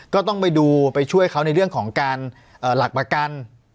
ก็ต้องไปดูไปช่วยเขาในเรื่องของการหลักประกัน